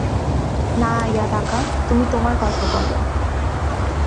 না, ইয়াদাকা, তুমি তোমার গল্প বলো।